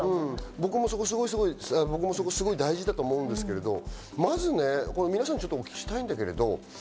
僕もすごくそこ大事だと思うんですけど、まず皆さんにお聞きしたいんだけど。